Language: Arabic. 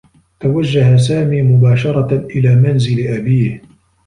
توجّه سامي مباشرة إلى منزل أبيه.